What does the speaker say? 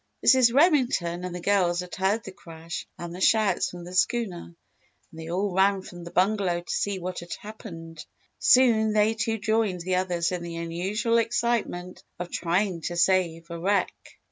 Mrs. Remington and the girls had heard the crash and the shouts from the schooner and they all ran from the bungalow to see what had happened; soon, they too joined the others in the unusual excitement of trying to save a wreck.